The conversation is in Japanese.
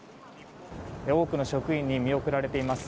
多くの職員に見送られています。